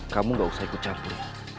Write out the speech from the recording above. kamu gak usah ikut campur